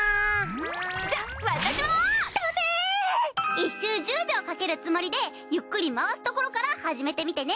１周１０秒かけるつもりでゆっくり回すところから始めてみてね。